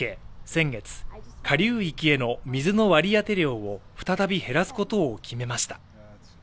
先月下流域への水の割当量を再び減らすことを決めました